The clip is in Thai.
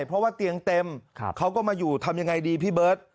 เพราะว่าเตียงเต็มเขาก็มาอยู่ทำยังไงดีพี่เบิร์ต